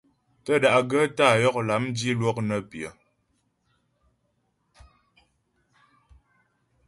Tə́ da'gaə́ tá'a yɔk lâm dilwɔk nə́ pyə.